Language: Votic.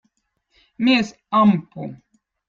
Meez ampu.